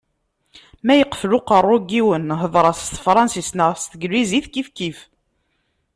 Ma yeqfel uqerru n yiwen, hder-as s tefransist neɣ s teglizit, kifkif.